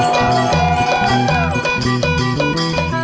โชว์ฮีตะโครน